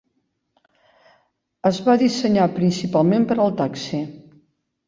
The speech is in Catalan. Es va dissenyar principalment per al taxi.